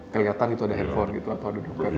keliatan itu ada handphone gitu atau ada duper gitu